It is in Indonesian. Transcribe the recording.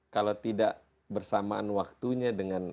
kalau tidak bersamaan waktunya dengan